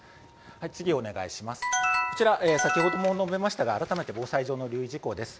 こちら、先ほども述べましたが改めて防災上の留意事項です。